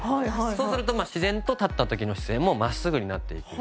そうすると自然と立った時の姿勢もまっすぐになっていく。